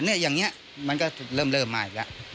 เนี่ยอย่างเนี้ยมันก็เริ่มเริ่มมาอีกแล้ว